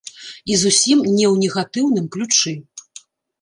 І зусім не ў негатыўным ключы.